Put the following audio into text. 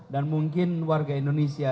dan mungkin warga indonesia